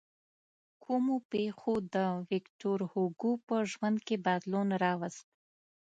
کومو پېښو د ویکتور هوګو په ژوند کې بدلون راوست.